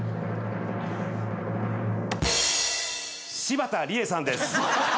柴田理恵さんです。